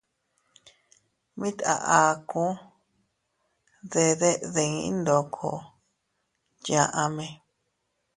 Mit a akuu de deʼe diin ndoko yaʼme.